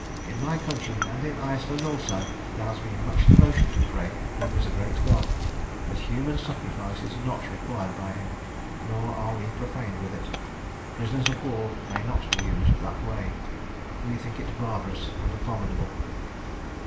"In my country, and in Iceland also, there has been much devotion to Frey, who is a great God; but human sacrifice is not required by him, nor are we profaned with it. Prisoners of war may not be used that way. We think it barbarous and abominable."